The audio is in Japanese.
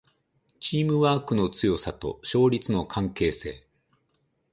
チームワークの強さと勝率の関係性